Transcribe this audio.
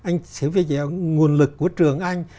nguồn lực của trường anh